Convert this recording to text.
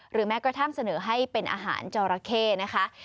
แม้กระทั่งเสนอให้เป็นอาหารจอราเข้นะคะ